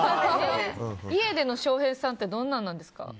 家での翔平さんってどんなんなんですか？